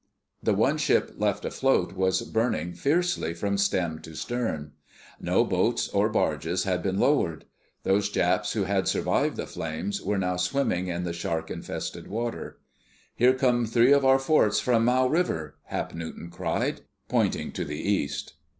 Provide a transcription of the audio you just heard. The one ship left afloat was burning fiercely from stem to stern. No boats or barges had been lowered. Those Japs who had survived the flames were now swimming in the shark infested water. "Here come three of our forts from Mau River!" Hap Newton cried, pointing to the east.